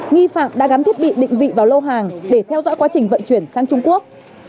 nghi phạm đã gắn thiết bị định vị vào lô hàng để theo dõi quá trình vận chuyển sang trung quốc